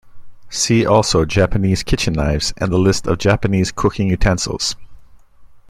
See also Japanese kitchen knives and the list of Japanese cooking utensils.